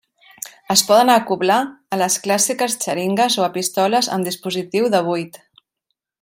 Es poden acoblar a les clàssiques xeringues o a pistoles amb dispositiu de buit.